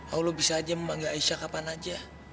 allah bisa aja membangga aisyah kapan aja